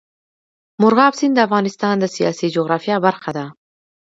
مورغاب سیند د افغانستان د سیاسي جغرافیه برخه ده.